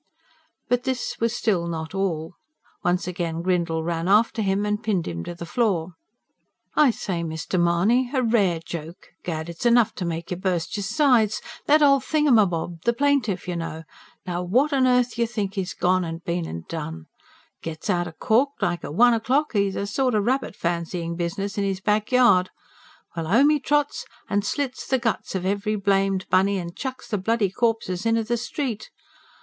But this was still not all. Once again Grindle ran after him, and pinned him to the floor. "I say, Mr. Mahony, a rare joke gad, it's enough to make you burst your sides! That old thingumbob, the plaintiff, ye know, now what'n earth d'you think 'e's been an' done? Gets outer court like one o'clock 'e'd a sorter rabbit fancyin' business in 'is backyard. Well, 'ome 'e trots an' slits the guts of every blamed bunny, an' chucks the bloody corpses inter the street.